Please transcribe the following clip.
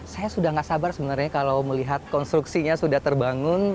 saya sudah tidak sabar sebenarnya kalau melihat konstruksinya sudah terbangun